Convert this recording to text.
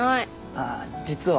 ああ実は。